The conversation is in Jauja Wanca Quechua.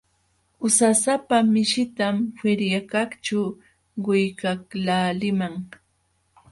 Usasapa mishitam feriakaqćhu quykaqlaaliman.